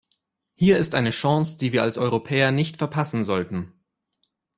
Hier ist eine Chance, die wir als Europäer nicht verpassen sollten!